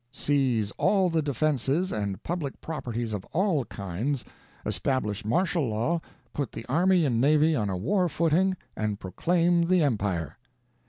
"Seize all the defenses and public properties of all kinds, establish martial law, put the army and navy on a war footing, and proclaim the empire!"